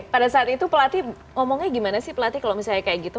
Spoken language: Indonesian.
pada saat itu pelatih ngomongnya gimana sih pelatih kalau misalnya kayak gitu